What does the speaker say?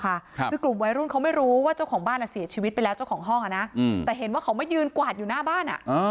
คือกลุ่มวัยรุ่นเขาไม่รู้ว่าเจ้าของบ้านเสียชีวิตไปแล้วเจ้าของห้องอ่ะนะแต่เห็นว่าเขามายืนกวาดอยู่หน้าบ้าน